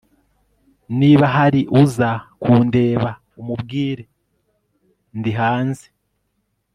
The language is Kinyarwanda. Niba hari uza kundeba umubwire ko ndi hanze